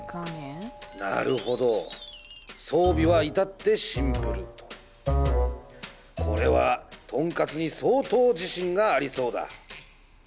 なるほど装備はいたってシンプルとこれはとんかつに相当自信がありそうだ